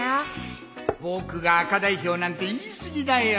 僕が赤代表なんて言い過ぎだよ